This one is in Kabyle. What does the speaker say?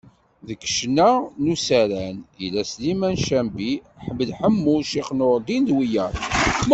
Deg ccna n usaran, yella Sliman Cabbi, Ḥmed Ḥemmu, Ccix Nurdin, d wiyaḍ.